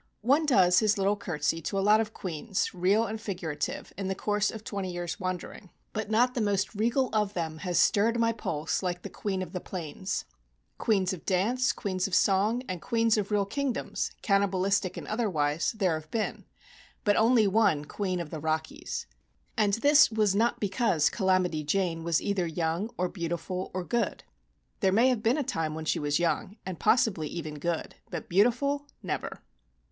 One does his little curtsey to a lot of queens, real and figurative, in the course of twenty years' wandering, but not the most regal of them has stirred my pulse like the "Queen of the Plains." Queens of Dance, Queens of Song, and Queens of real kingdoms, cannibalistic and otherwise, there have been, but only one "Queen of the Rockies." And this was not because "Calamity Jane" was either young, or beautiful or good. (There may have been a time when she was young, and possibly even good, but beautiful never.)